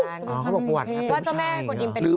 ว่าเจ้าแม่กฎอิมเป็นผู้ชาย